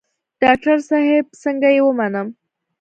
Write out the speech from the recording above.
ډاکتر صاحب څنګه يې ومنم.